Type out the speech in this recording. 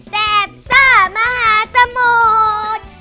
แบบซ่ามหาสมุทร